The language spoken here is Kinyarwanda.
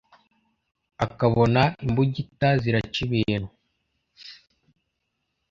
akabona imbugita ziraca ibintu.